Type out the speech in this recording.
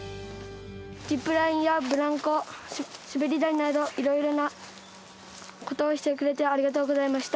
ジップラインやブランコ滑り台などいろいろなことをしてくれてありがとうございました。